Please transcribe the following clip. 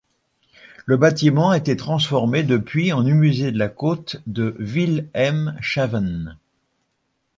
Le bâtiment a été transformé depuis en musée de la côte de Wilhelmshaven.